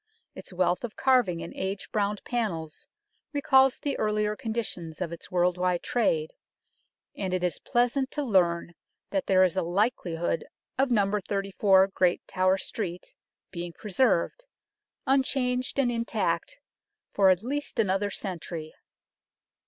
Its wealth of carving and age browned panels recalls the earlier conditions of its world wide trade, and it is pleasant to learn that there is a likelihood of No. 34 Great Tower Street being preserved, unchanged and intact, for at least another century.